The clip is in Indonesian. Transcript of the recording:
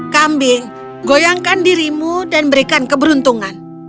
kambing goyangkan dirimu dan berikan keberuntungan